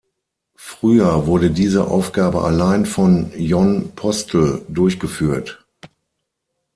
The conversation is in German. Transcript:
Früher wurde diese Aufgabe allein von Jon Postel durchgeführt.